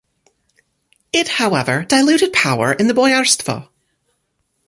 It, however, diluted power in the boyarstvo.